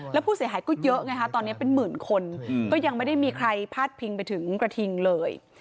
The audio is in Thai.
แล้วผู้เสียหายก็เยอะไงฮะตอนนี้เป็นหมื่นคนก็ยังไม่ได้มีใครพาดพิงไปถึงกระทิงเลย